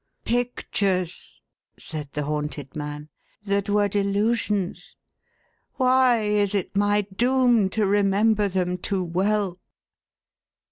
"Pictures," said the haunted man, "that were delusions. Why is it my doom to remember them too well